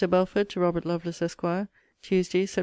BELFORD, TO ROBERT LOVELACE, ESQ. TUES. SEPT.